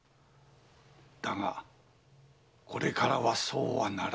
だがこれからはそうはならぬ。